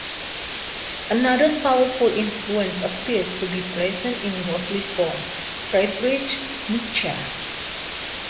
Another powerful influence appears to be present in ghostly form : Friedrich Nietzsche.